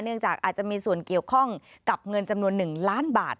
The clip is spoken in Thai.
จากอาจจะมีส่วนเกี่ยวข้องกับเงินจำนวน๑ล้านบาท